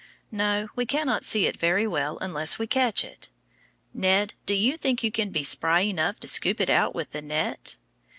No, we cannot see it very well unless we catch it. Ned, do you think you can be spry enough to scoop it out with the net?